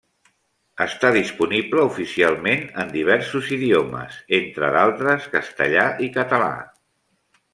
Està disponible oficialment en diversos idiomes, entre d'altres, castellà i català.